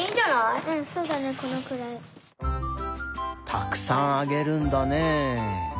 たくさんあげるんだねえ。